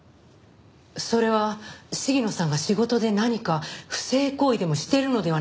それは鴫野さんが仕事で何か不正行為でもしているのではないか。